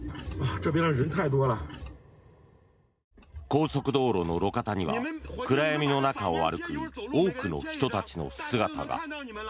高速道路の路肩には暗闇の中を歩く多くの人たちの姿が。